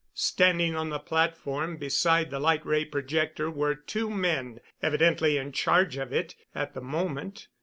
Standing on the platform beside the light ray projector were two men evidently in charge of it at the moment.